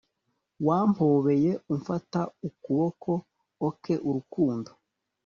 wampobeye umfata ukuboko, ok, urukundo